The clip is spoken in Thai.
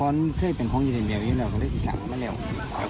เพราะเคยเป็นของเย็นเดียวอยู่แล้วก็เลยสร้างมาแล้ว